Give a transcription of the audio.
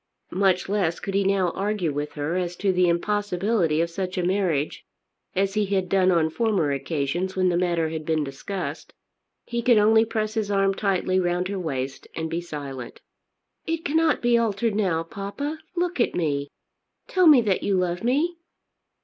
Much less could he now argue with her as to the impossibility of such a marriage as he had done on former occasions when the matter had been discussed. He could only press his arm tightly round her waist, and be silent. "It cannot be altered now, papa. Look at me. Tell me that you love me."